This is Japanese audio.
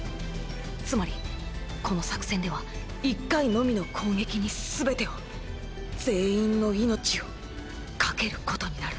つまりこの作戦では１回のみの攻撃に全てを全員の命を懸けることになる。